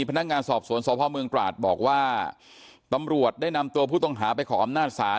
พนักงานสอบสวนสพเมืองตราดบอกว่าตำรวจได้นำตัวผู้ต้องหาไปขออำนาจศาล